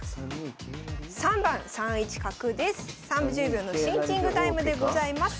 ３０秒のシンキングタイムでございます。